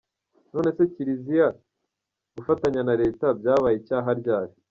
None se Kiliziya gufatanya na Leta byabaye icyaha ryari.